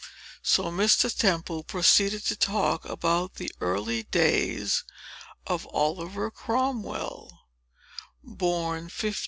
So Mr. Temple proceeded to talk about the early days of OLIVER CROMWELL BORN 1599.